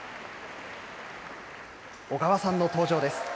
緒川さんの登場です。